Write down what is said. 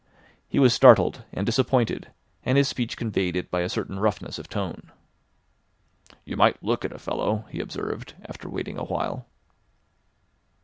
He was startled and disappointed, and his speech conveyed it by a certain roughness of tone. "You might look at a fellow," he observed after waiting a while.